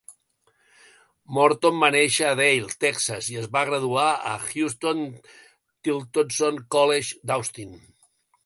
Morton va néixer a Dale (Texas) i es va graduar al Huston-Tillotson College d'Austin.